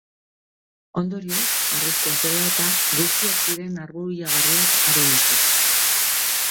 Ondorioz, arriskua zela eta, guztiak ziren arbuiagarriak haren ustez.